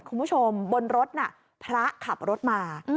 คุณผู้ชมบนรถน่ะพระขับรถมา